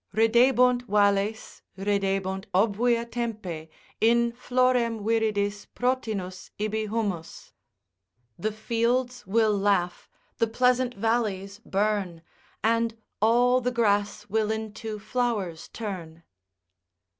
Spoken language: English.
Ridebunt valles, ridebunt obvia Tempe, In florem viridis protinus ibi humus. The fields will laugh, the pleasant valleys burn, And all the grass will into flowers turn.